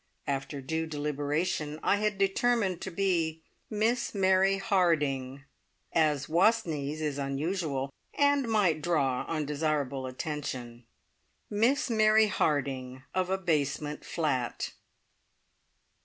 After due deliberation I had determined to be "Miss Mary Harding," as Wastneys is unusual, and might draw undesirable attention. Miss Mary Harding, of a basement flat!